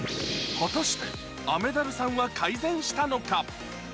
果たして、雨ダルさんは改善したのか？